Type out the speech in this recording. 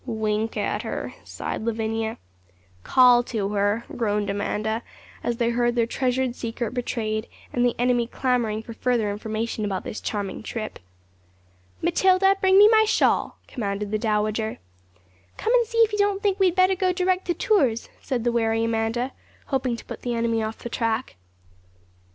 'Wink at her,' sighed Lavinia. 'Call to her,' groaned Amanda, as they heard their treasured secret betrayed, and the enemy clamouring for further information about this charming trip. 'Matilda, bring me my shawl,' commanded the Dowager. 'Come and see if you don't think we had better go direct to Tours,' said the wary Amanda, hoping to put the enemy off the track.